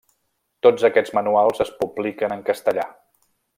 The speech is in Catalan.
Tots aquests manuals es publiquen en castellà.